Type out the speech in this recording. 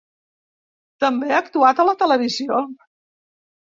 També ha actuat a la televisió.